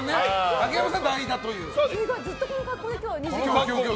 竹山さんが代打ということで。